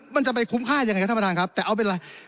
มันจะไปคุ้มค่ายังไงครับท่านประธานครับแต่เอาเป็นอะไร